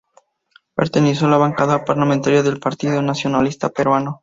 Perteneció a la bancada parlamentaria del Partido Nacionalista Peruano.